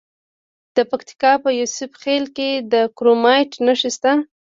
د پکتیکا په یوسف خیل کې د کرومایټ نښې شته.